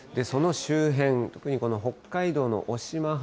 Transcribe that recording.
その周辺、北海道のおしま